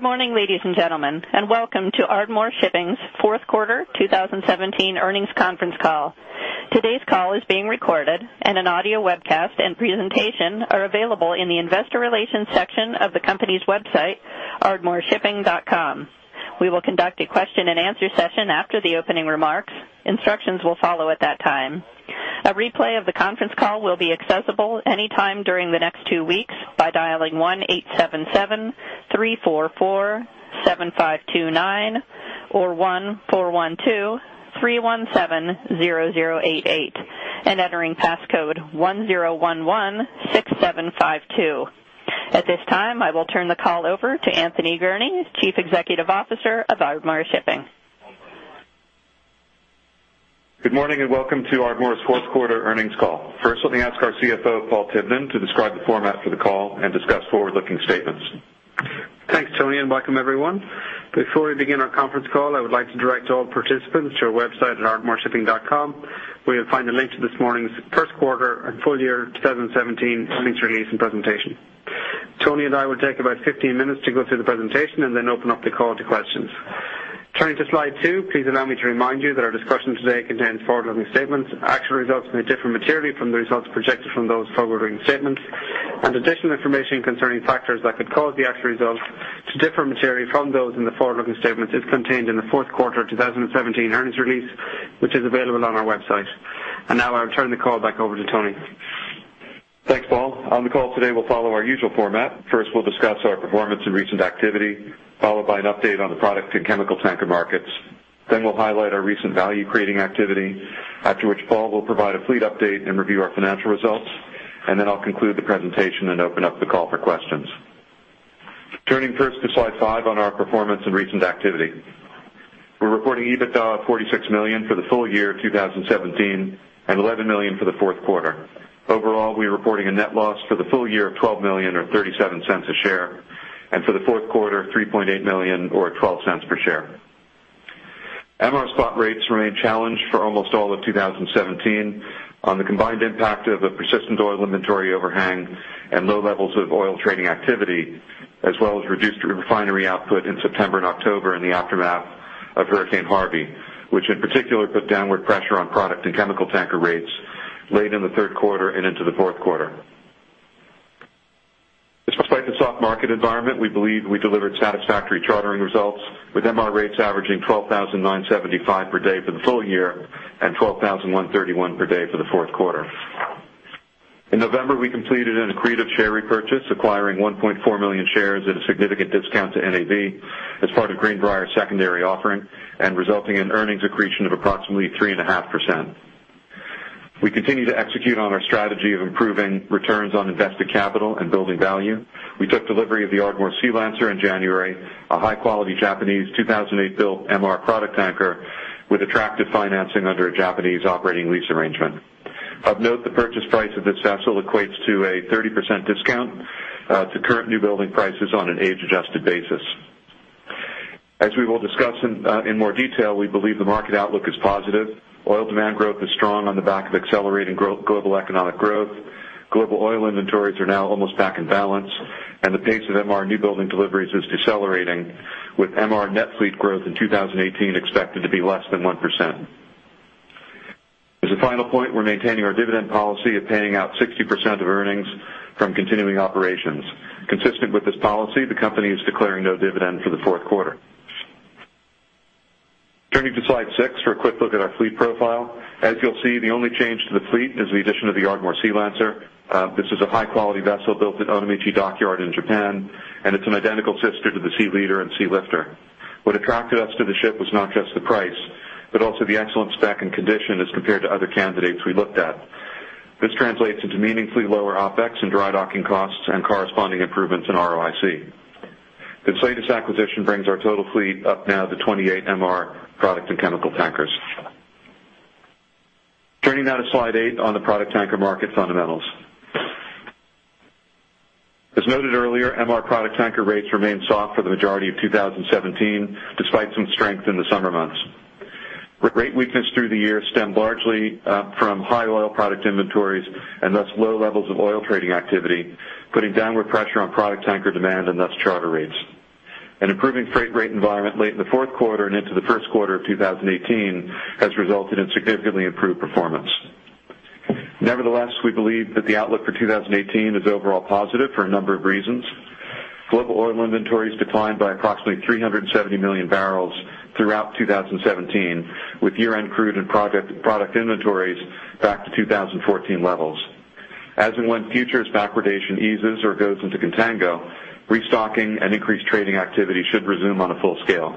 Good morning, ladies and gentlemen, and welcome to Ardmore Shipping's Fourth Quarter 2017 Earnings Conference Call. Today's Call is being recorded, and an audio webcast and presentation are available in the investor relations section of the company's website, ardmoreshipping.com. We will conduct a question-and-answer session after the opening remarks. Instructions will follow at that time. A replay of the conference call will be accessible anytime during the next two weeks by dialing 1-877-344-7529 or 1-412-317-0088 and entering passcode 10116752. At this time, I will turn the call over to Anthony Gurnee, Chief Executive Officer of Ardmore Shipping. Good morning, and welcome to Ardmore's Fourth Quarter Earnings Call. First, let me ask our CFO, Paul Tivnan, to describe the format for the call and discuss forward-looking statements. Thanks, Tony, and welcome, everyone. Before we begin our conference call, I would like to direct all participants to our website at ardmoreshipping.com, where you'll find a link to this morning's First Quarter and Full Year 2017 Earnings Release and Presentation. Tony and I will take about 15 minutes to go through the presentation and then open up the call to questions. Turning to slide two, please allow me to remind you that our discussion today contains forward-looking statements. Actual results may differ materially from the results projected from those forward-looking statements, and additional information concerning factors that could cause the actual results to differ materially from those in the forward-looking statements is contained in the fourth quarter of 2017 earnings release, which is available on our website. Now I'll turn the call back over to Tony. Thanks, Paul. On the call today, we'll follow our usual format. First, we'll discuss our performance and recent activity, followed by an update on the Product and Chemical Tanker markets. Then we'll highlight our recent value-creating activity, after which Paul will provide a fleet update and review our financial results. And then I'll conclude the presentation and open up the call for questions. Turning first to slide five on our performance and recent activity. We're reporting EBITDA of $46 million for the full year of 2017, and $11 million for the fourth quarter. Overall, we're reporting a net loss for the full year of $12 million, or $0.37 per share, and for the fourth quarter, $3.8 million, or $0.12 per share. MR spot rates remained challenged for almost all of 2017 on the combined impact of a persistent oil inventory overhang and low levels of oil trading activity, as well as reduced refinery output in September and October in the aftermath of Hurricane Harvey, which in particular, put downward pressure on Product and Chemical Tanker rates late in the third quarter and into the fourth quarter. Despite the soft market environment, we believe we delivered satisfactory chartering results, with MR rates averaging $12,975 per day for the full year and $12,131 per day for the fourth quarter. In November, we completed an accretive share repurchase, acquiring 1.4 million shares at a significant discount to NAV as part of Greenbriar secondary offering and resulting in earnings accretion of approximately 3.5%. We continue to execute on our strategy of improving returns on invested capital and building value. We took delivery of the Ardmore Sealancer in January, a high-quality Japanese 2008-built MR product tanker with attractive financing under a Japanese Operating Lease arrangement. Of note, the purchase price of this vessel equates to a 30% discount to current newbuilding prices on an age-adjusted basis. As we will discuss in more detail, we believe the market outlook is positive. Oil demand growth is strong on the back of accelerating global economic growth. Global oil inventories are now almost back in balance, and the pace of MR newbuilding deliveries is decelerating, with MR net fleet growth in 2018 expected to be less than 1%. As a final point, we're maintaining our dividend policy of paying out 60% of earnings from continuing operations. Consistent with this policy, the company is declaring no dividend for the fourth quarter. Turning to slide six for a quick look at our fleet profile. As you'll see, the only change to the fleet is the addition of the Ardmore Sealancer. This is a high-quality vessel built at Onomichi Dockyard in Japan, and it's an identical sister to the Sealeader and Sealifter. What attracted us to the ship was not just the price, but also the excellent spec and condition as compared to other candidates we looked at. This translates into meaningfully lower OpEx and dry docking costs and corresponding improvements in ROIC. This latest acquisition brings our total fleet up now to 28 MR Product and Chemical Tankers. Turning now to slide eight on the product tanker market fundamentals. As noted earlier, MR product tanker rates remained soft for the majority of 2017, despite some strength in the summer months. Our rate weakness through the year stemmed largely from high oil product inventories and thus low levels of oil trading activity, putting downward pressure on product tanker demand and thus charter rates. An improving freight rate environment late in the fourth quarter and into the first quarter of 2018 has resulted in significantly improved performance. Nevertheless, we believe that the outlook for 2018 is overall positive for a number of reasons. Global oil inventories declined by approximately 370 million barrels throughout 2017, with year-end crude and product inventories back to 2014 levels. As and when futures backwardation eases or goes into contango, restocking and increased trading activity should resume on a full scale.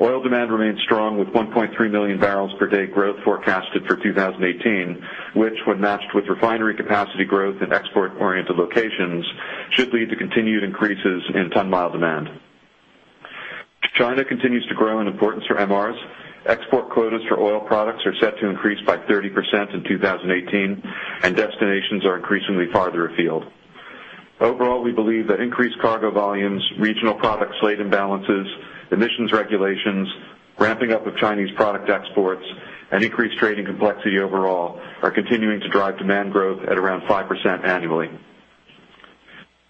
Oil demand remains strong, with 1.3 million barrels per day growth forecasted for 2018, which, when matched with refinery capacity growth in export-oriented locations, should lead to continued increases in ton-mile demand. China continues to grow in importance for MRs. Export quotas for oil products are set to increase by 30% in 2018, and destinations are increasingly farther afield. Overall, we believe that increased cargo volumes, regional imbalances, emissions regulations, ramping up of Chinese product exports, and increased trading complexity overall are continuing to drive demand growth at around 5% annually.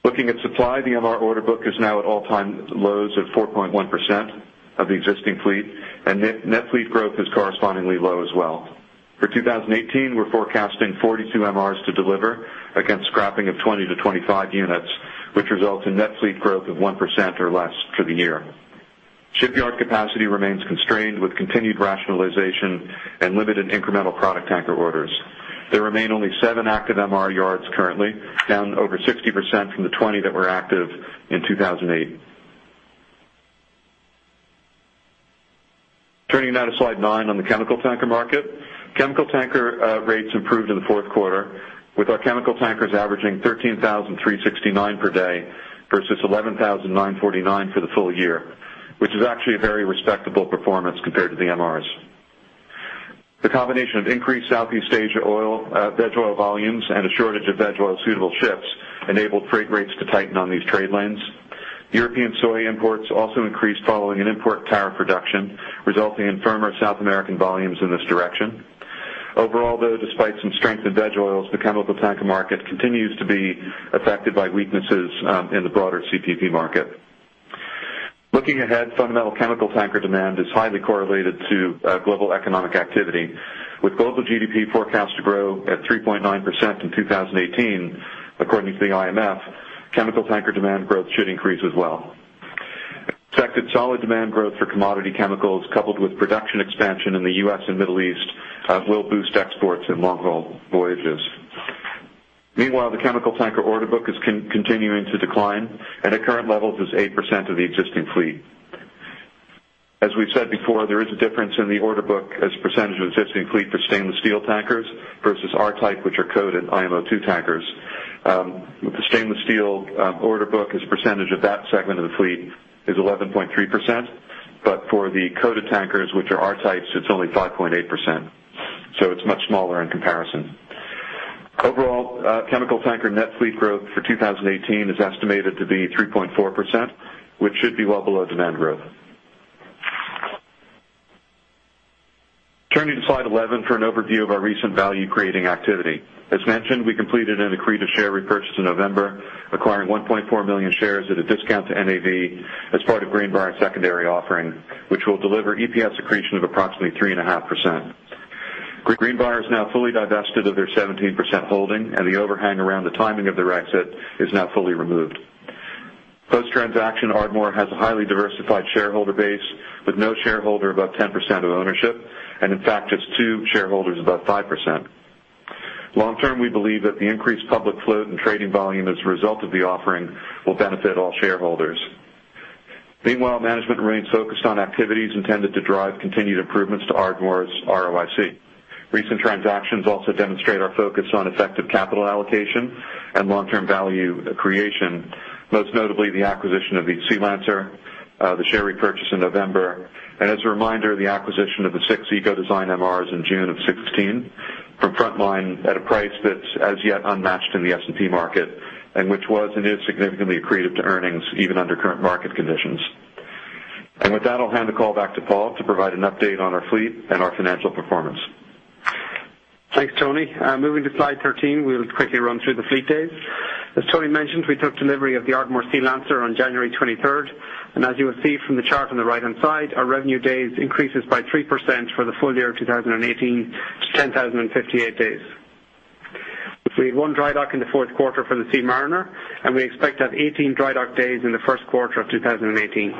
Looking at supply, the MR order book is now at all-time lows of 4.1% of the existing fleet, and net, net fleet growth is correspondingly low as well. For 2018, we're forecasting 42 MRs to deliver against scrapping of 20-25 units, which results in net fleet growth of 1% or less for the year. Shipyard capacity remains constrained, with continued rationalization and limited incremental product tanker orders. There remain only seven active MR yards currently, down over 60% from the 20 that were active in 2008. Turning now to slide nine on the Chemical Tanker market. Chemical Tanker rates improved in the fourth quarter, with our chemical tankers averaging $13,369 per day vs $11,949 for the full year, which is actually a very respectable performance compared to the MRs. The combination of increased Southeast Asia oil, veg oil volumes and a shortage of veg oil suitable ships enabled freight rates to tighten on these trade lanes. European soy imports also increased following an import tariff reduction, resulting in firmer South American volumes in this direction. Overall, though, despite some strength in veg oils, the chemical tanker market continues to be affected by weaknesses in the broader CPP market. Looking ahead, fundamental Chemical Tanker demand is highly correlated to global economic activity. With global GDP forecast to grow at 3.9% in 2018, according to the IMF, chemical tanker demand growth should increase as well. Expected solid demand growth for commodity chemicals, coupled with production expansion in the U.S. and Middle East, will boost exports in long-haul voyages. Meanwhile, the chemical tanker order book is continuing to decline, and at current levels, is 8% of the existing fleet. As we've said before, there is a difference in the order book as a % of existing fleet for stainless steel tankers vs MR-type, which are coated IMO 2 tankers. With the stainless steel order book as % of that segment of the fleet is 11.3%, but for the coated tankers, which are MR-types, it's only 5.8%, so it's much smaller in comparison. Overall, Chemical Tanker net fleet growth for 2018 is estimated to be 3.4%, which should be well below demand growth. Turning to slide 11 for an overview of our recent value-creating activity. As mentioned, we completed an accretive share repurchase in November, acquiring 1.4 million shares at a discount to NAV as part of Greenbriar's secondary offering, which will deliver EPS accretion of approximately 3.5%. Greenbriar is now fully divested of their 17% holding, and the overhang around the timing of their exit is now fully removed. Post-transaction, Ardmore has a highly diversified shareholder base with no shareholder above 10% of ownership, and in fact, just two shareholders above 5%. Long term, we believe that the increased public float and trading volume as a result of the offering will benefit all shareholders. Meanwhile, management remains focused on activities intended to drive continued improvements to Ardmore's ROIC. Recent transactions also demonstrate our focus on effective capital allocation and long-term value creation, most notably the acquisition of the Sealancer, the share repurchase in November, and as a reminder, the acquisition of the six Eco Design MRs in June 2016 from Frontline at a price that's as yet unmatched in the S&P market, and which was and is significantly accretive to earnings even under current market conditions. With that, I'll hand the call back to Paul to provide an update on our fleet and our financial performance. Thanks, Tony. Moving to slide 13, we'll quickly run through the fleet days. As Tony mentioned, we took delivery of the Ardmore Sealancer on January 23, and as you will see from the chart on the right-hand side, our revenue days increases by 3% for the full year of 2018 to 10,058 days. We had one dry dock in the fourth quarter for the Ardmore Seamariner, and we expect to have 18 dry dock days in the first quarter of 2018.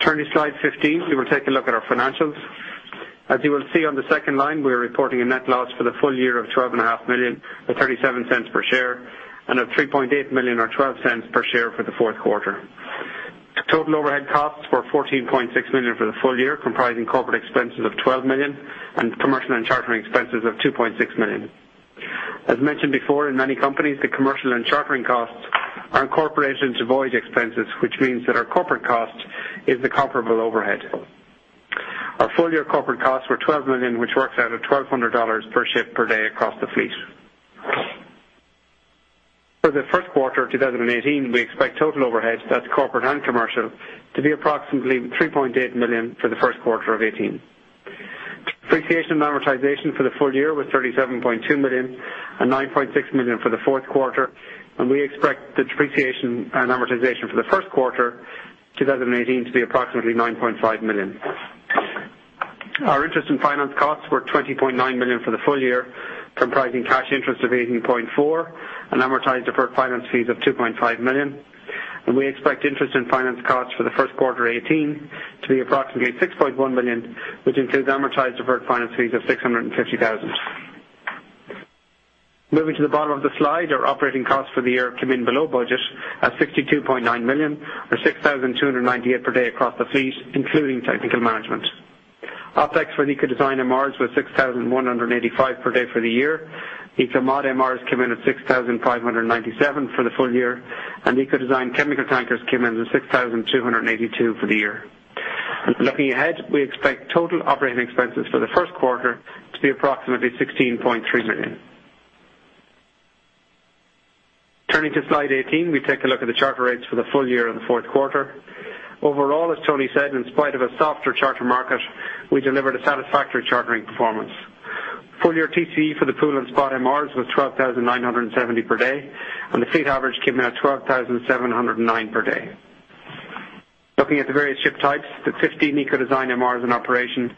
Turning to slide 15, we will take a look at our financials. As you will see on the second line, we are reporting a net loss for the full year of $12.5 million, or $0.37 per share, and of $3.8 million, or $0.12 per share for the fourth quarter. Total overhead costs were $14.6 million for the full year, comprising corporate expenses of $12 million and commercial and chartering expenses of $2.6 million. As mentioned before, in many companies, the commercial and chartering costs are incorporated into voyage expenses, which means that our corporate cost is the comparable overhead. Our full year corporate costs were $12 million, which works out at $1,200 per ship per day across the fleet. For the first quarter of 2018, we expect total overheads, that's corporate and commercial, to be approximately $3.8 million for the first quarter of 2018. Depreciation and amortization for the full year was $37.2 million and $9.6 million for the fourth quarter, and we expect the depreciation and amortization for the first quarter 2018 to be approximately $9.5 million. Our interest and finance costs were $20.9 million for the full year, comprising cash interest of $18.4 million and amortized deferred finance fees of $2.5 million. We expect interest and finance costs for the first quarter 2018 to be approximately $6.1 million, which includes amortized deferred finance fees of $650,000. Moving to the bottom of the slide, our operating costs for the year came in below budget at $62.9 million, or 6,298 per day across the fleet, including technical management. OpEx for Eco Design MRs was 6,185 per day for the year. Eco-Mod MRs came in at 6,597 for the full year, and Eco-Design chemical tankers came in at 6,282 for the year. Looking ahead, we expect total operating expenses for the first quarter to be approximately $16.3 million. Turning to Slide 18, we take a look at the charter rates for the full year of the fourth quarter. Overall, as Tony said, in spite of a softer charter market, we delivered a satisfactory chartering performance. Full year TCE for the pool and spot MRs was 12,970 per day, and the fleet average came in at 12,709 per day. Looking at the various ship types, the 15 Eco-Design MRs in operation,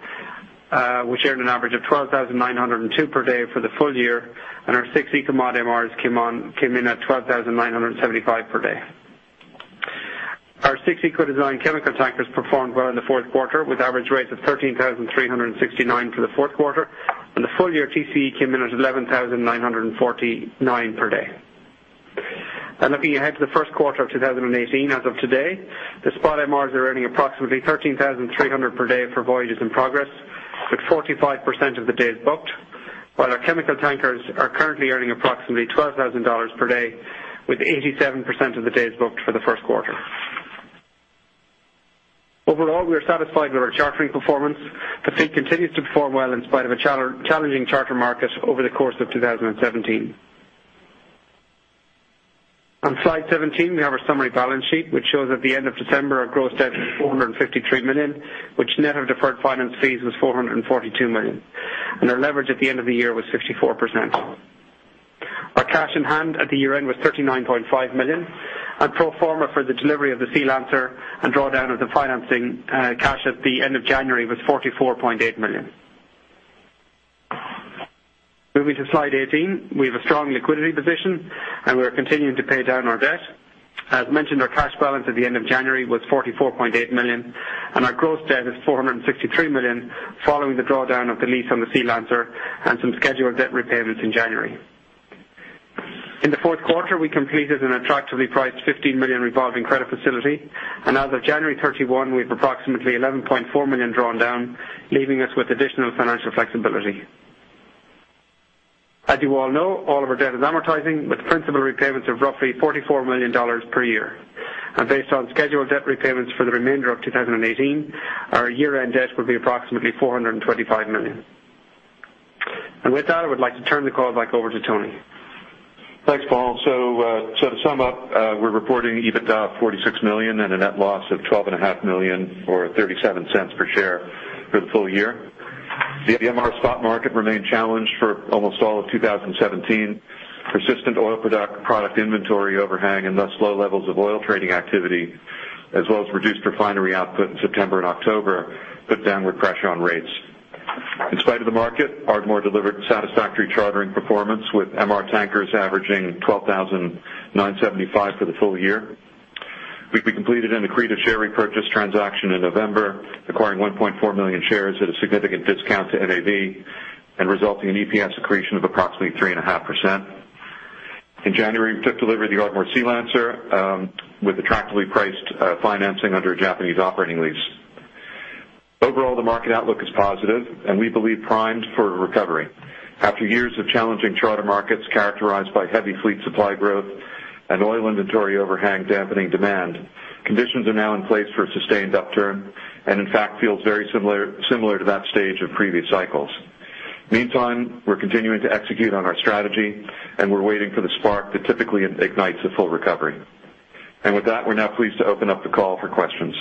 which earned an average of 12,902 per day for the full year, and our six Eco-Mod MRs came in at 12,975 per day. Our six Eco-Design chemical tankers performed well in the fourth quarter, with average rates of $13,369 for the fourth quarter, and the full year TCE came in at $11,949 per day. Looking ahead to the first quarter of 2018, as of today, the spot MRs are earning approximately $13,300 per day for voyages in progress, with 45% of the days booked, while our chemical tankers are currently earning approximately $12,000 per day, with 87% of the days booked for the first quarter. Overall, we are satisfied with our chartering performance. The fleet continues to perform well in spite of a challenging charter market over the course of 2017. On Slide 17, we have our summary balance sheet, which shows at the end of December, our gross debt was $453 million, which net of deferred finance fees, was $442 million. Our leverage at the end of the year was 64%. Our cash in hand at the year-end was $39.5 million, and pro forma for the delivery of the Sealancer and drawdown of the financing, cash at the end of January was $44.8 million. Moving to Slide 18, we have a strong liquidity position, and we are continuing to pay down our debt. As mentioned, our cash balance at the end of January was $44.8 million, and our gross debt is $463 million, following the drawdown of the lease on the Sealancer and some scheduled debt repayments in January. In the fourth quarter, we completed an attractively priced $15 million revolving credit facility, and as of January 31, we have approximately $11.4 million drawn down, leaving us with additional financial flexibility. As you all know, all of our debt is amortizing, with principal repayments of roughly $44 million per year. Based on scheduled debt repayments for the remainder of 2018, our year-end debt will be approximately $425 million. With that, I would like to turn the call back over to Tony. Thanks, Paul. So, so to sum up, we're reporting EBITDA of $46 million and a net loss of $12.5 million, or $0.37 per share for the full year. The MR spot market remained challenged for almost all of 2017. Persistent oil product, product inventory overhang and thus low levels of oil trading activity, as well as reduced refinery output in September and October, put downward pressure on rates. In spite of the market, Ardmore delivered satisfactory chartering performance, with MR tankers averaging $12,975 for the full year. We completed an accretive share repurchase transaction in November, acquiring 1.4 million shares at a significant discount to NAV and resulting in EPS accretion of approximately 3.5%. In January, we took delivery of the Ardmore Sealancer with attractively priced financing under a Japanese Operating Lease. Overall, the market outlook is positive and we believe primed for a recovery. After years of challenging charter markets characterized by heavy fleet supply growth and oil inventory overhang dampening demand, conditions are now in place for a sustained upturn, and in fact, feels very similar, similar to that stage of previous cycles. Meantime, we're continuing to execute on our strategy, and we're waiting for the spark that typically ignites a full recovery. With that, we're now pleased to open up the call for questions.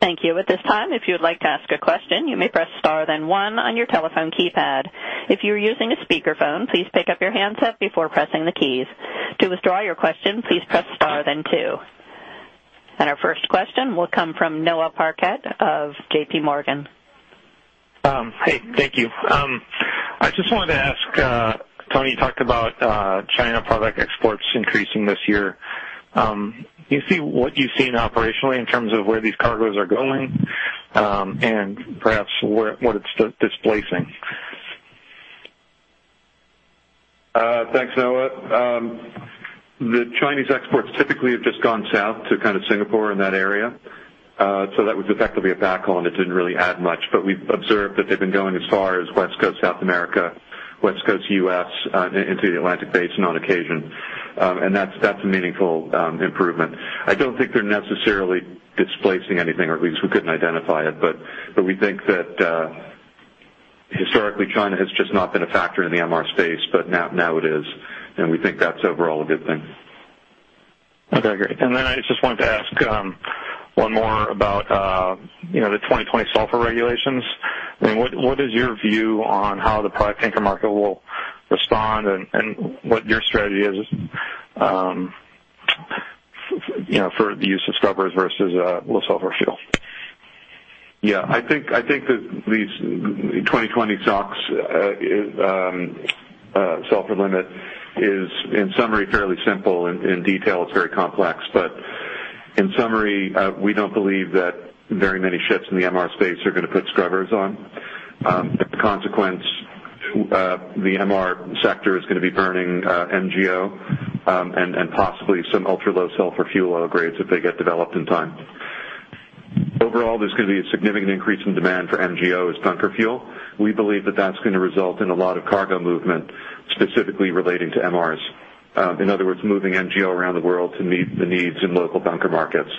Thank you. At this time, if you would like to ask a question, you may press star, then one on your telephone keypad. If you are using a speakerphone, please pick up your handset before pressing the keys. To withdraw your question, please press star, then two. Our first question will come from Noah Parquette of JPMorgan. Hey, thank you. I just wanted to ask, Tony, you talked about China product exports increasing this year. Do you see what you've seen operationally in terms of where these cargoes are going, and perhaps where what it's displacing? Thanks, Noah. The Chinese exports typically have just gone south to kind of Singapore in that area. So that was effectively a backhaul, and it didn't really add much. But we've observed that they've been going as far as West Coast, South America, West Coast, U.S., into the Atlantic Basin on occasion. And that's a meaningful improvement. I don't think they're necessarily displacing anything, or at least we couldn't identify it, but we think that historically, China has just not been a factor in the MR space, but now it is, and we think that's overall a good thing. Okay, great. And then I just wanted to ask, one more about, you know, the 2020 sulfur regulations. I mean, what, what is your view on how the product tanker market will respond and, and what your strategy is, you know, for the use of scrubbers vs, low sulfur fuel? Yeah, I think that these 2020 SOx Sulfur limit is, in summary, fairly simple. In detail, it's very complex, but in summary, we don't believe that very many ships in the MR space are going to put scrubbers on. As a consequence, the MR sector is going to be burning MGO, and possibly some ultra-low sulfur fuel oil grades if they get developed in time. Overall, there's going to be a significant increase in demand for MGO as bunker fuel. We believe that that's going to result in a lot of cargo movement... relating to MRs. In other words, moving MGO around the world to meet the needs in local bunker markets.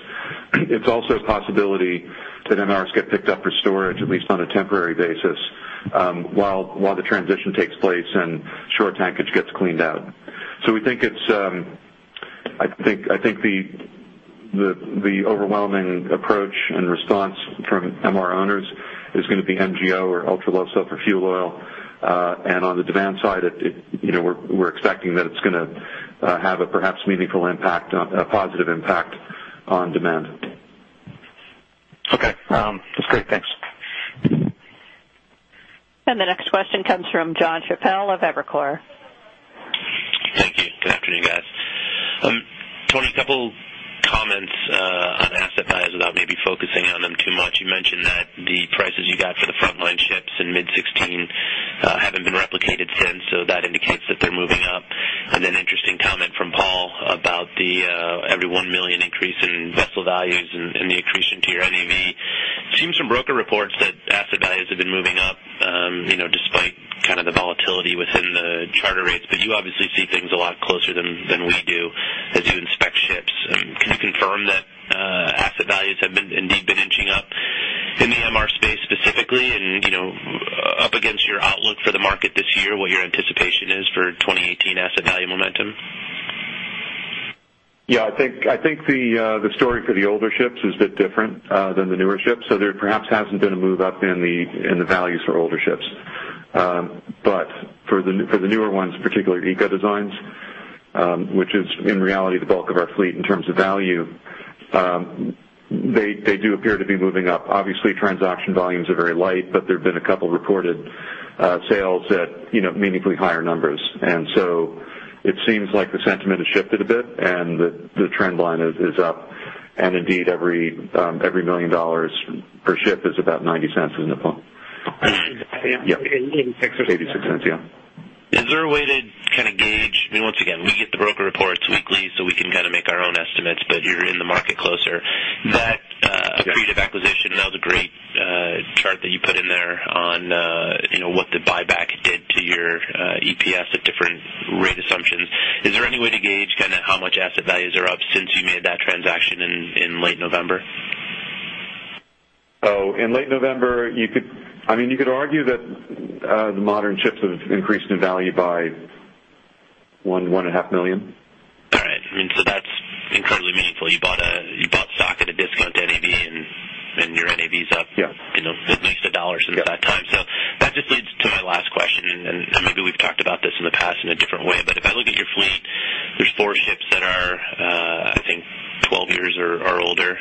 It's also a possibility that MRs get picked up for storage, at least on a temporary basis, while the transition takes place and short tankage gets cleaned out. So we think it's. I think the overwhelming approach and response from MR owners is gonna be MGO or ultra-low sulfur fuel oil. And on the demand side, it you know we're expecting that it's gonna have a perhaps meaningful impact, a positive impact on demand. Okay, that's great. Thanks. The next question comes from Jonathan Chappell of Evercore. Thank you. Good afternoon, guys. Tony, a couple comments on asset values, without maybe focusing on them too much. You mentioned that the prices you got for the Frontline ships in mid-2016 haven't been replicated since, so that indicates that they're moving up. And an interesting comment from Paul about the every $1 million increase in vessel values and the accretion to your NAV. Seen some broker reports that asset values have been moving up, you know, despite kind of the volatility within the charter rates. But you obviously see things a lot closer than we do as you inspect ships. Can you confirm that asset values have been, indeed, inching up in the MR space specifically and, you know, up against your outlook for the market this year, what your anticipation is for 2018 asset value momentum? Yeah, I think the story for the older ships is a bit different than the newer ships, so there perhaps hasn't been a move up in the values for older ships. But for the newer ones, particularly Eco designs, which is, in reality, the bulk of our fleet in terms of value, they do appear to be moving up. Obviously, transaction volumes are very light, but there have been a couple of reported sales at, you know, meaningfully higher numbers. And so it seems like the sentiment has shifted a bit and the trend line is up. And indeed, every $1 million per ship is about $0.90 in the EPS. Yeah. Yep. In six- $0.86, yeah. Is there a way to kind of gauge... I mean, once again, we get the broker reports weekly, so we can kind of make our own estimates, but you're in the market closer? Mm-hmm. That creative acquisition, that was a great chart that you put in there on, you know, what the buyback did to your EPS at different rate assumptions. Is there any way to gauge kind of how much asset values are up since you made that transaction in late November? So in late November, you could—I mean, you could argue that, the modern ships have increased in value by $1.5 million. All right. I mean, so that's incredibly meaningful. You bought stock at a discount to NAV, and your NAV is up- Yeah. You know, at least a dollar since that time. Yeah. So that just leads to my last question, and maybe we've talked about this in the past in a different way. But if I look at your fleet, there's four ships that are, I think 12 years or older.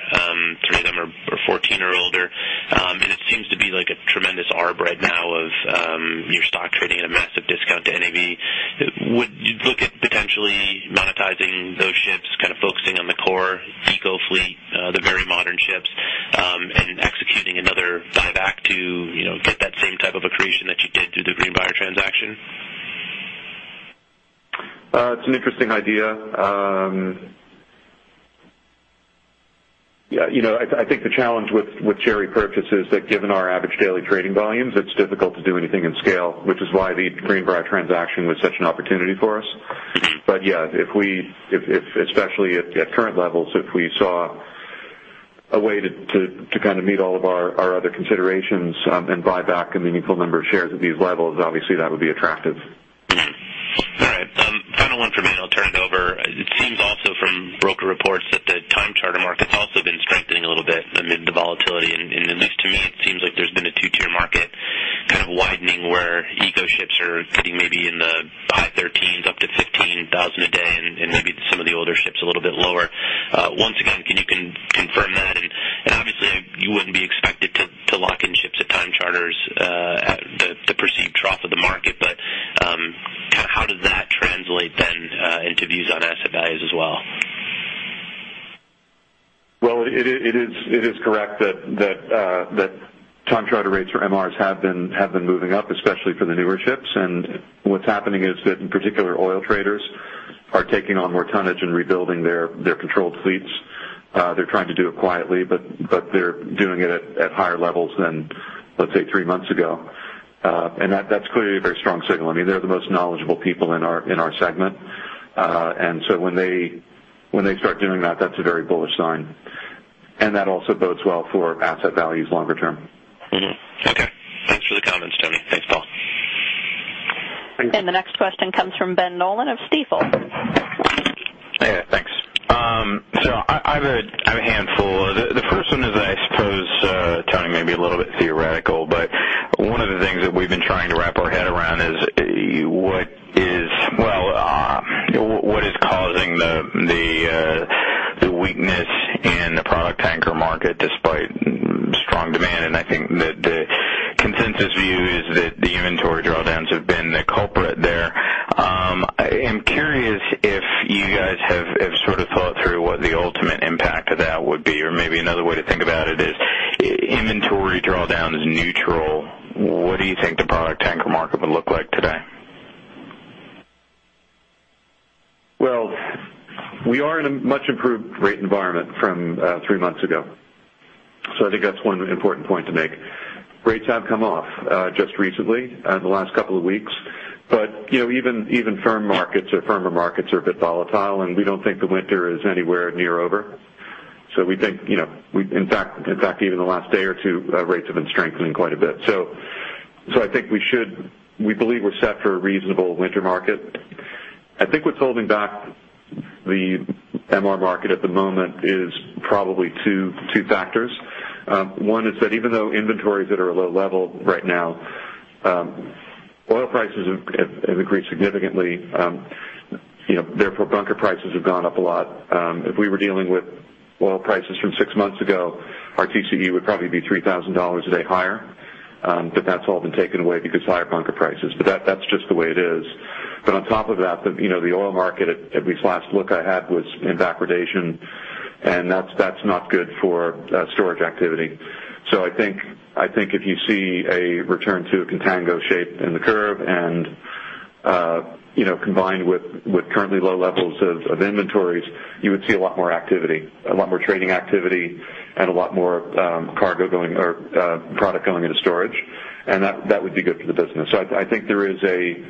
Three of them are 14 or older. And it seems to be like a tremendous arb right now of your stock trading at a massive discount to NAV. Would you look at potentially monetizing those ships, kind of focusing on the core eco fleet, the very modern ships, and executing another buyback to, you know, get that same type of accretion that you did through the Greenbriar transaction? It's an interesting idea. Yeah, you know, I think the challenge with share purchases that given our average daily trading volumes, it's difficult to do anything in scale, which is why the Greenbriar transaction was such an opportunity for us. But yeah, if especially at current levels, if we saw a way to kind of meet all of our other considerations and buy back a meaningful number of shares at these levels, obviously that would be attractive. Mm-hmm. All right. Final one for me, I'll turn it over. It seems also from broker reports that the time charter market's also been strengthening a little bit amid the volatility. And at least to me, it seems like there's been a two-tier market kind of widening, where eco ships are sitting maybe in the high 13,000s, up to $15,000 a day, and maybe some of the older ships a little bit lower. Once again, can you confirm that? And obviously, you wouldn't be expected to lock in ships at time charters at the perceived trough of the market. But kind of how does that translate then into views on asset values as well? Well, it is correct that time charter rates for MRs have been moving up, especially for the newer ships. And what's happening is that, in particular, oil traders are taking on more tonnage and rebuilding their controlled fleets. They're trying to do it quietly, but they're doing it at higher levels than, let's say, three months ago. And that's clearly a very strong signal. I mean, they're the most knowledgeable people in our segment. And so when they start doing that, that's a very bullish sign, and that also bodes well for asset values longer term. Mm-hmm. Okay. Thanks for the comments, Tony. Thanks, Paul. The next question comes from Ben Nolan of Stifel. Yeah, thanks. So I have a handful. The first one is, I suppose, Tony, may be a little bit theoretical, but one of the things that we've been trying to wrap our head around is what is causing the weakness in the product tanker market despite strong demand? And I think that the consensus view is that the inventory drawdowns have been the culprit there. I am curious if you guys have sort of thought through what the ultimate impact of that would be, or maybe another way to think about it is, inventory drawdown is neutral, what do you think the product tanker market would look like today? ...Well, we are in a much improved rate environment from three months ago. So I think that's one important point to make. Rates have come off just recently in the last couple of weeks. But, you know, even firm markets or firmer markets are a bit volatile, and we don't think the winter is anywhere near over. So we think, you know, in fact, even the last day or two, rates have been strengthening quite a bit. So I think we believe we're set for a reasonable winter market. I think what's holding back the MR market at the moment is probably two factors. One is that even though inventories that are at a low level right now, oil prices have increased significantly, you know, therefore, bunker prices have gone up a lot. If we were dealing with oil prices from six months ago, our TCE would probably be $3,000 a day higher, but that's all been taken away because higher bunker prices, but that, that's just the way it is. But on top of that, you know, the oil market, at least last look I had, was in backwardation, and that's, that's not good for storage activity. So I think, I think if you see a return to a contango shape in the curve and, you know, combined with currently low levels of inventories, you would see a lot more activity, a lot more trading activity and a lot more cargo going or product going into storage, and that, that would be good for the business. So I think there is a,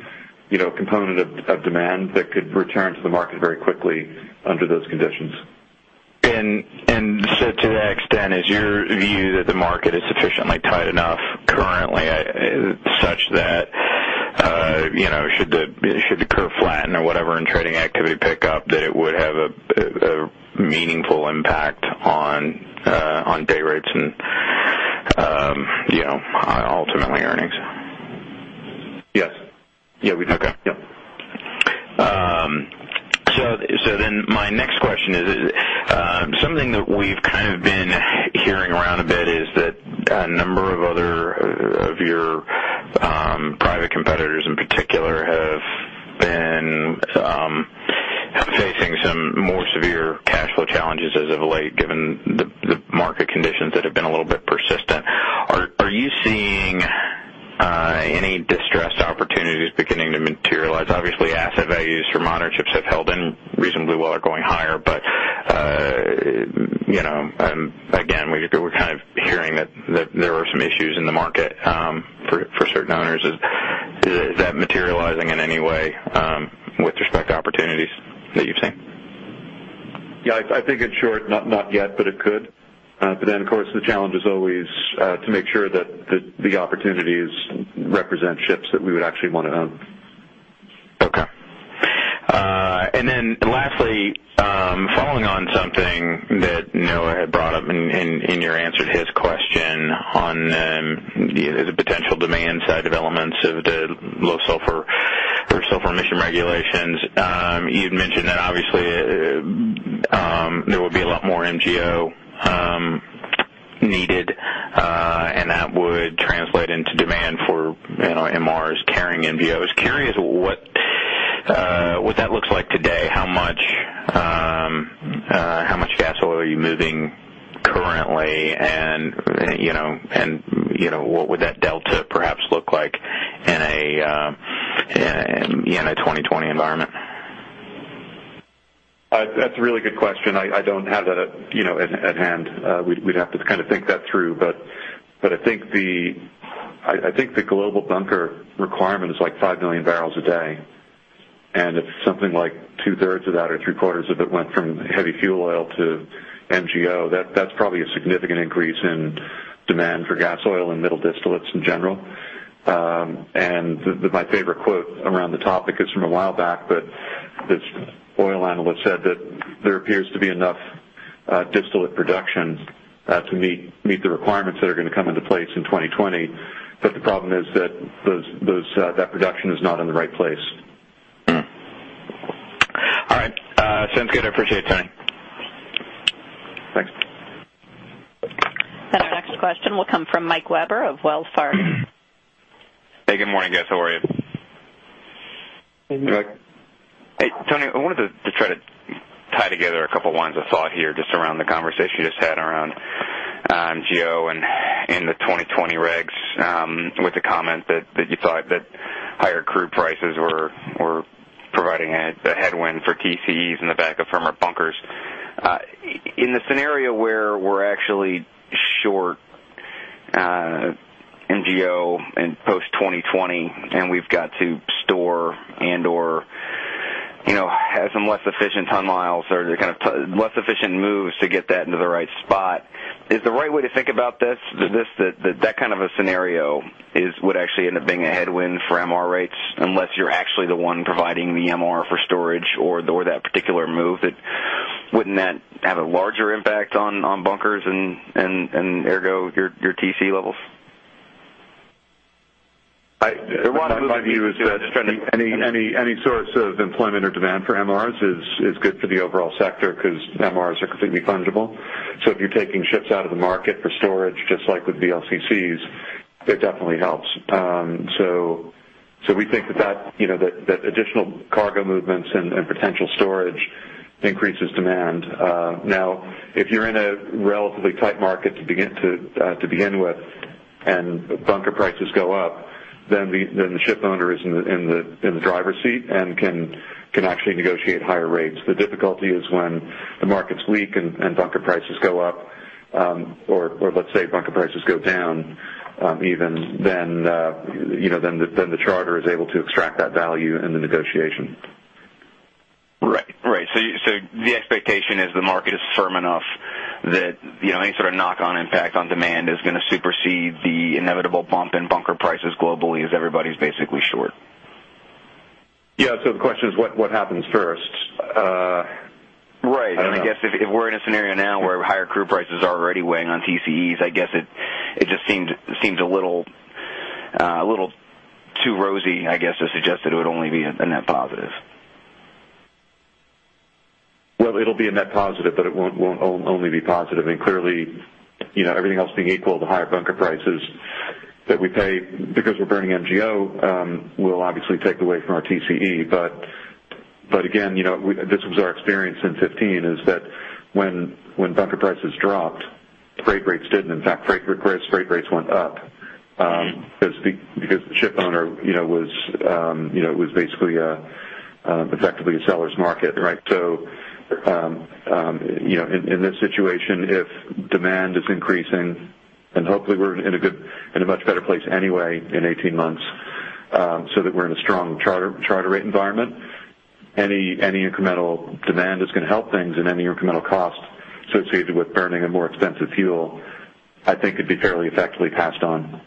you know, component of demand that could return to the market very quickly under those conditions. And so to that extent, is your view that the market is sufficiently tight enough currently, such that, you know, should the curve flatten or whatever, and trading activity pick up, that it would have a meaningful impact on day rates and, you know, ultimately, earnings? Yes. Yeah, we- Okay. Yep. So then my next question is, something that we've kind of been hearing around a bit is that a number of other of your private competitors in particular have been facing some more severe cash flow challenges as of late, given the market conditions that have been a little bit persistent. Are you seeing any distressed opportunities beginning to materialize? Obviously, asset values for modern ships have held in reasonably well or going higher, but you know, again, we're kind of hearing that there are some issues in the market for certain owners. Is that materializing in any way with respect to opportunities that you've seen? Yeah, I think in short, not yet, but it could. But then, of course, the challenge is always to make sure that the opportunities represent ships that we would actually want to own. Okay. And then lastly, following on something that Noah had brought up in your answer to his question on the potential demand side developments of the low sulfur or sulfur emission regulations. You'd mentioned that obviously, there will be a lot more MGO needed, and that would translate into demand for, you know, MRs carrying MGOs. Curious, what, what that looks like today? How much, how much gas oil are you moving currently? And, you know, and, you know, what would that delta perhaps look like in a, in a, in a 2020 environment? That's a really good question. I don't have that, you know, at hand. We'd have to kind of think that through. But I think the global bunker requirement is, like, 5 million barrels a day, and if something like two-thirds of that or three-quarters of it went from heavy fuel oil to MGO, that's probably a significant increase in demand for gas oil and middle distillates in general. And, my favorite quote around the topic is from a while back, but this oil analyst said that there appears to be enough distillate production to meet the requirements that are going to come into place in 2020, but the problem is that that production is not in the right place. Mm-hmm. All right, sounds good. I appreciate your time. Thanks. Our next question will come from Michael Webber of Wells Fargo. Hey, good morning, guys. How are you? Good. Hey, Tony, I wanted to try to tie together a couple lines of thought here just around the conversation you just had around MGO and the 2020 regs with the comment that you thought that higher crude prices were providing a headwind for TCEs in the back of firmer bunkers. In the scenario where we're actually short MGO and post-2020, and we've got to store and/or, you know, have some less efficient ton miles or kind of less efficient moves to get that into the right spot. Is the right way to think about this, that kind of a scenario is would actually end up being a headwind for MR rates, unless you're actually the one providing the MR for storage or that particular move, that wouldn't that have a larger impact on bunkers and ergo, your TC levels? Any source of employment or demand for MRs is good for the overall sector because MRs are completely fungible. So if you're taking ships out of the market for storage, just like with VLCCs, it definitely helps. So we think that you know that additional cargo movements and potential storage increases demand. Now, if you're in a relatively tight market to begin with, and bunker prices go up, then the ship owner is in the driver's seat and can actually negotiate higher rates. The difficulty is when the market's weak and bunker prices go up, or let's say, bunker prices go down, even then, you know, then the charter is able to extract that value in the negotiation. Right. So, the expectation is the market is firm enough that, you know, any sort of knock-on impact on demand is going to supersede the inevitable bump in bunker prices globally, as everybody's basically short? Yeah. So the question is what, what happens first? Right. I don't know. I guess if we're in a scenario now where higher crude prices are already weighing on TCEs, I guess it just seems a little, a little too rosy, I guess, to suggest that it would only be a net positive. Well, it'll be a net positive, but it won't, won't only be positive. And clearly, you know, everything else being equal, the higher bunker prices that we pay because we're burning MGO will obviously take away from our TCE. But, but again, you know, this was our experience in 2015, is that when, when bunker prices dropped, freight rates didn't. In fact, freight rates, freight rates went up because the ship owner, you know, was basically effectively a seller's market, right? So, you know, in this situation, if demand is increasing, and hopefully we're in a much better place anyway in 18 months, so that we're in a strong charter rate environment, any incremental demand is going to help things and any incremental cost associated with burning a more expensive fuel, I think, could be fairly effectively passed on.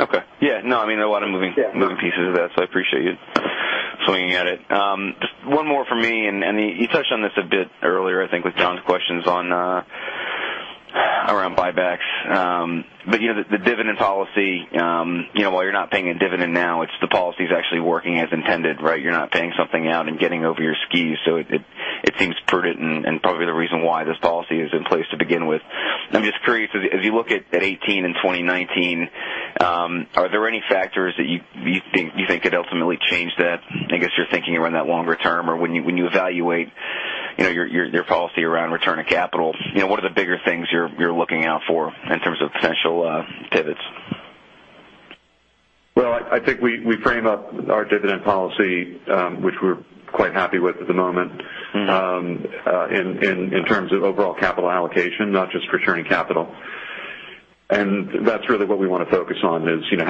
Okay. Yeah. No, I mean, there are a lot of moving- Yeah... moving pieces of that, so I appreciate you swinging at it. Just one more from me, and you touched on this a bit earlier, I think, with Jon's questions on around buybacks. But you know, the dividend policy, you know, while you're not paying a dividend now, it's the policy is actually working as intended, right? You're not paying something out and getting over your skis, so it seems prudent and probably the reason why this policy is in place to begin with. Yeah. I'm just curious, as you look at 2018 and 2019, are there any factors that you think could ultimately change that? I guess you're thinking around that longer term or when you evaluate, you know, your policy around return of capital, you know, what are the bigger things you're looking out for in terms of potential pivots? Well, I think we frame up our dividend policy, which we're quite happy with at the moment- Mm-hmm... in terms of overall capital allocation, not just returning capital. And that's really what we want to focus on is, you know,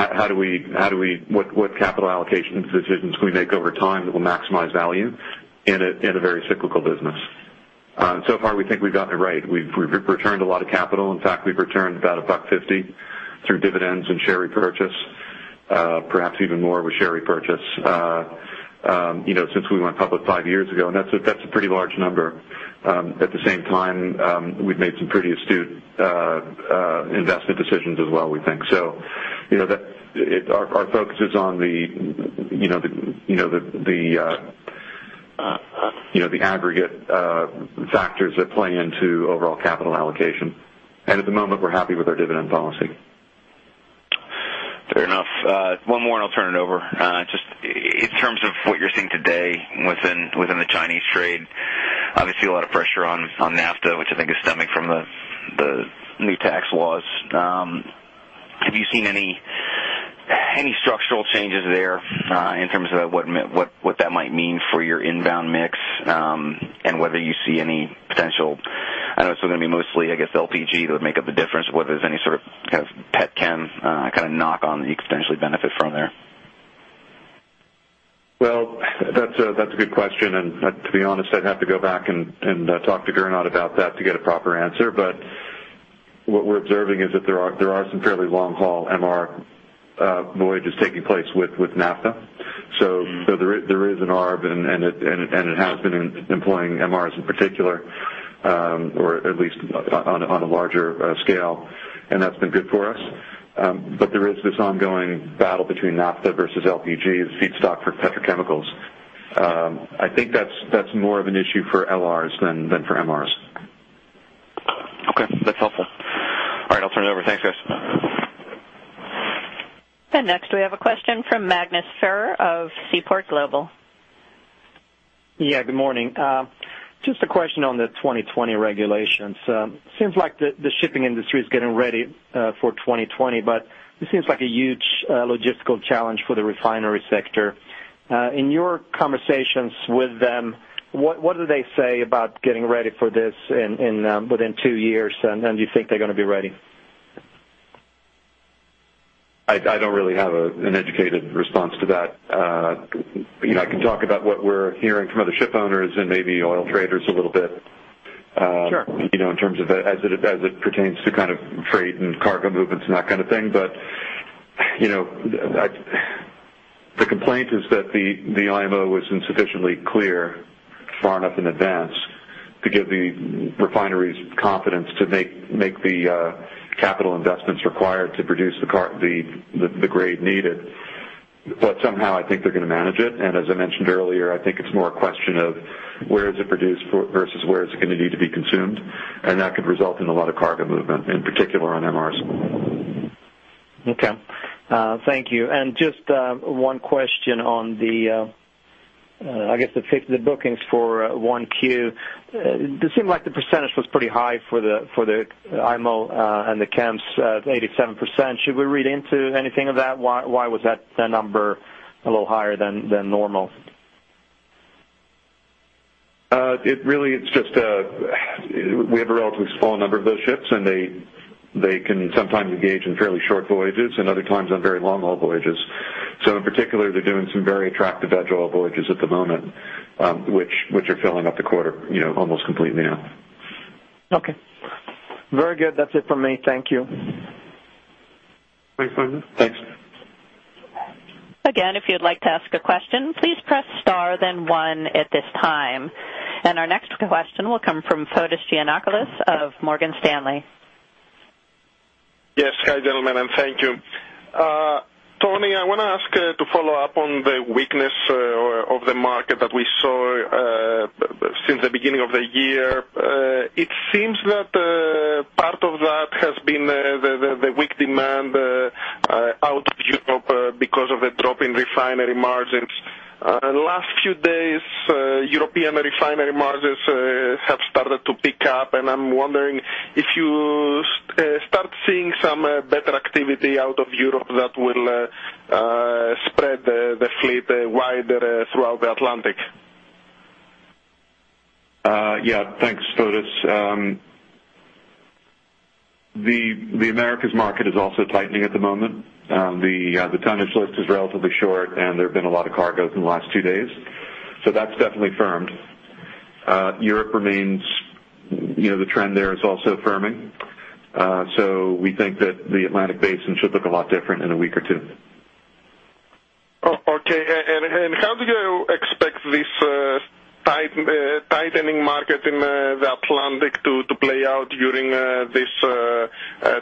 what capital allocation decisions can we make over time that will maximize value in a very cyclical business? So far, we think we've gotten it right. We've returned a lot of capital. In fact, we've returned about $1.50 through dividends and share repurchase, perhaps even more with share repurchase, you know, since we went public five years ago, and that's a pretty large number. At the same time, we've made some pretty astute investment decisions as well, we think. So, you know, our focus is on the, you know, the aggregate factors that play into overall capital allocation. And at the moment, we're happy with our dividend policy. Fair enough. One more, and I'll turn it over. Just in terms of what you're seeing today within the Chinese trade, obviously, a lot of pressure on naphtha, which I think is stemming from the new tax laws. Have you seen any structural changes there, in terms of what that might mean for your inbound mix, and whether you see any potential? I know it's going to be mostly, I guess, LPG that would make up the difference, whether there's any sort of kind of pet chem kind of knock on that you could potentially benefit from there. Well, that's a good question, and to be honest, I'd have to go back and talk to Gernot about that to get a proper answer. But what we're observing is that there are some fairly long-haul MR voyages taking place with naphtha. Mm-hmm. So there is an arb, and it has been employing MRs in particular, or at least on a larger scale, and that's been good for us. But there is this ongoing battle between Naphtha vs LPG, the feedstock for petrochemicals. I think that's more of an issue for LRs than for MRs. Okay, that's helpful. All right, I'll turn it over. Thanks, guys. Next, we have a question from Magnus Fyhr of Seaport Global. Yeah, good morning. Just a question on the 2020 regulations. Seems like the shipping industry is getting ready for 2020, but this seems like a huge logistical challenge for the refinery sector. In your conversations with them, what do they say about getting ready for this within two years? And do you think they're going to be ready? I don't really have an educated response to that. You know, I can talk about what we're hearing from other shipowners and maybe oil traders a little bit- Sure... you know, in terms of as it, as it pertains to kind of freight and cargo movements and that kind of thing. But, you know, I-- the complaint is that the, the IMO was insufficiently clear far enough in advance to give the refineries confidence to make, make the, capital investments required to produce the, the grade needed. But somehow, I think they're going to manage it. And as I mentioned earlier, I think it's more a question of where is it produced for vs where is it going to need to be consumed, and that could result in a lot of cargo movement, in particular on MRs.... Okay. Thank you. And just one question on the, I guess, the fix- the bookings for 1Q. It seemed like the % was pretty high for the, for the IMO, and the MRs, 87%. Should we read into anything of that? Why, why was that number a little higher than, than normal? It really, it's just, we have a relatively small number of those ships, and they, they can sometimes engage in fairly short voyages and other times on very long haul voyages. So in particular, they're doing some very attractive veg oil voyages at the moment, which, which are filling up the quarter, you know, almost completely now. Okay. Very good. That's it for me. Thank you. Thanks, Magnus. Thanks. Again, if you'd like to ask a question, please press star, then one at this time. Our next question will come from Fotis Giannakoulis of Morgan Stanley. Yes. Hi, gentlemen, and thank you. Tony, I want to ask to follow up on the weakness of the market that we saw since the beginning of the year. It seems that part of that has been the weak demand out of Europe because of a drop in refinery margins. Last few days, European refinery margins have started to pick up, and I'm wondering if you start seeing some better activity out of Europe that will spread the fleet wider throughout the Atlantic. Yeah. Thanks, Fotis. The Americas market is also tightening at the moment. The tonnage list is relatively short, and there have been a lot of cargoes in the last two days, so that's definitely firmed. Europe remains, you know, the trend there is also firming. So we think that the Atlantic Basin should look a lot different in a week or two. Okay, and how do you expect this tightening market in the Atlantic to play out during this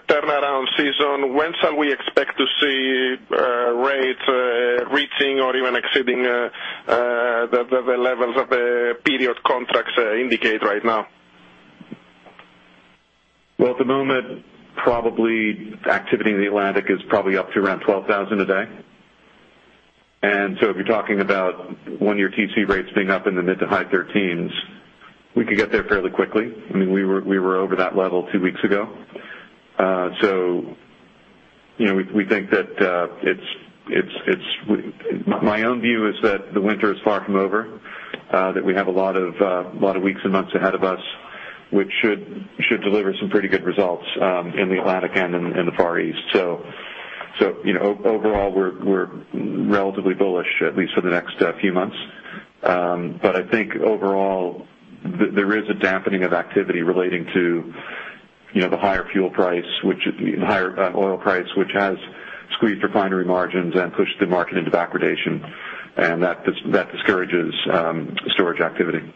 turnaround season? When shall we expect to see rates reaching or even exceeding the levels of the period contracts indicate right now? Well, at the moment, activity in the Atlantic is up to around $12,000 a day. And so if you're talking about one-year TC rates being up in the mid- to high 13s, we could get there fairly quickly. I mean, we were over that level two weeks ago. So, you know, we think that it's... My own view is that the winter is far from over, that we have a lot of weeks and months ahead of us, which should deliver some pretty good results, in the Atlantic and in the Far East. So, you know, overall, we're relatively bullish, at least for the next few months. But I think overall, there is a dampening of activity relating to, you know, the higher fuel price, which higher oil price, which has squeezed refinery margins and pushed the market into backwardation, and that discourages storage activity.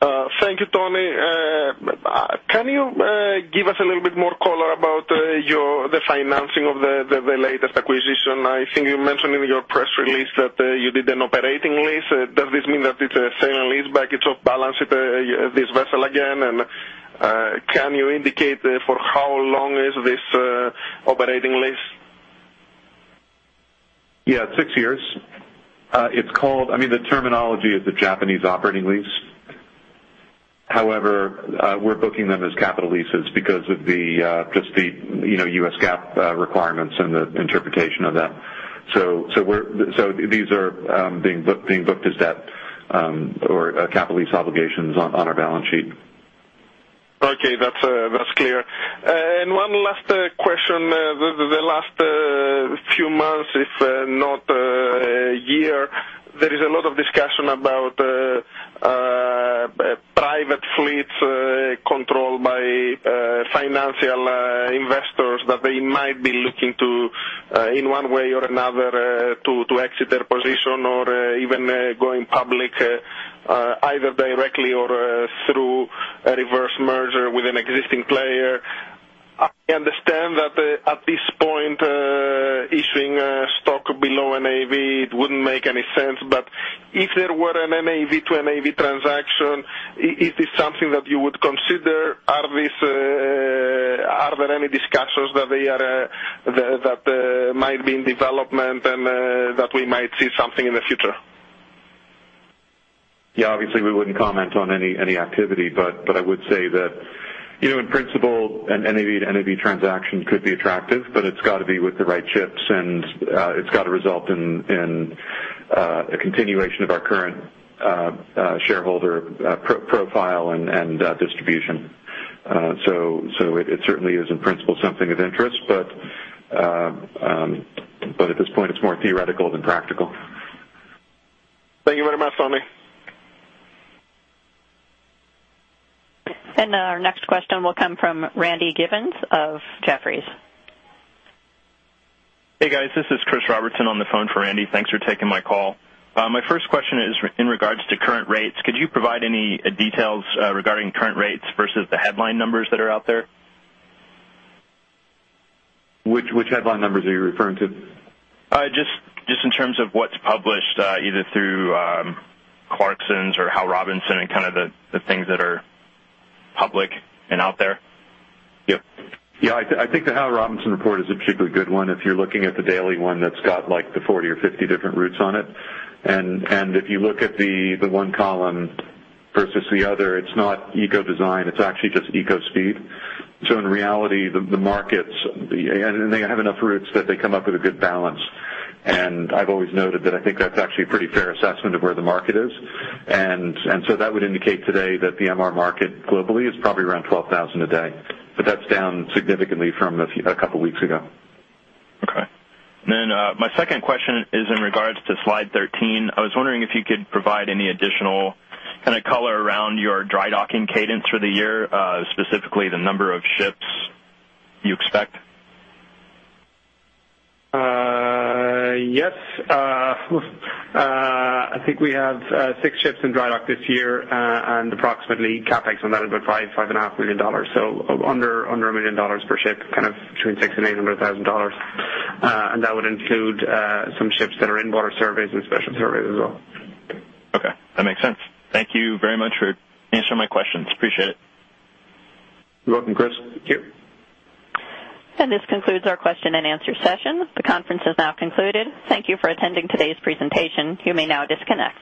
Thank you, Tony. Can you give us a little bit more color about the financing of the latest acquisition? I think you mentioned in your press release that you did an operating lease. Does this mean that it's a sale-and-leaseback, it's off-balance-sheet with this vessel again? Can you indicate for how long is this operating lease? Yeah, six years. It's called—I mean, the terminology is the Japanese Operating Lease. However, we're booking them as capital leases because of just the, you know, U.S. GAAP requirements and the interpretation of that. So these are being booked as debt or capital lease obligations on our balance sheet. Okay, that's clear. And one last question. The last few months, if not year, there is a lot of discussion about private fleets controlled by financial investors that they might be looking to, in one way or another, to exit their position or even going public, either directly or through a reverse merger with an existing player. I understand that at this point, issuing a stock below NAV, it wouldn't make any sense, but if there were an NAV to NAV transaction, is this something that you would consider? Are there any discussions that they are that might be in development and that we might see something in the future? Yeah, obviously, we wouldn't comment on any activity, but I would say that, you know, in principle, an NAV to NAV transaction could be attractive, but it's got to be with the right ships, and it's got to result in a continuation of our current shareholder profile and distribution. So it certainly is, in principle, something of interest, but at this point, it's more theoretical than practical. Thank you very much, Tony. Our next question will come from Randy Giveans of Jefferies. Hey, guys. This is Chris Robertson on the phone for Randy. Thanks for taking my call. My first question is in regards to current rates. Could you provide any details, regarding current rates vs the headline numbers that are out there? Which headline numbers are you referring to? Just in terms of what's published, either through Clarksons or Howe Robinson and kind of the things that are public and out there. Yep. Yeah, I think the Howe Robinson report is a particularly good one. If you're looking at the daily one, that's got, like, the 40 or 50 different routes on it. And if you look at the one column vs the other, it's not Eco design, it's actually just Eco speed. So in reality, the markets... And they have enough routes that they come up with a good balance. And I've always noted that I think that's actually a pretty fair assessment of where the market is. And so that would indicate today that the MR market globally is probably around 12,000 a day, but that's down significantly from a few - a couple weeks ago. Okay. Then, my second question is in regards to slide 13. I was wondering if you could provide any additional kind of color around your dry docking cadence for the year, specifically the number of ships you expect? Yes. I think we have 6 ships in dry dock this year, and approximately CapEx on that is about $5-$5.5 million, so under $1 million per ship, kind of between $600,000 and $800,000. And that would include some ships that are in water surveys and special surveys as well. Okay, that makes sense. Thank you very much for answering my questions. Appreciate it. You're welcome, Chris. Thank you. And this concludes our question and answer session. The conference is now concluded. Thank you for attending today's presentation. You may now disconnect.